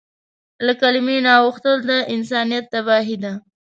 له کلیمې نه اوښتل د انسانیت تباهي ده.